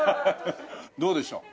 どうでしょう？